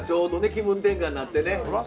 気分転換になってね。